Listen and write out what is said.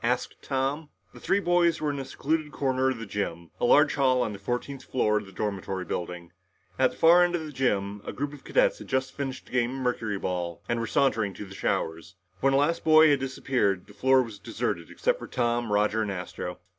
asked Tom. The three boys were in a secluded corner of the gym, a large hall on the fourteenth floor of the dormitory building. At the far end of the gym, a group of cadets had just finished a game of mercuryball and were sauntering to the showers. When the last boy had disappeared, the floor was deserted except for Tom, Roger and Astro.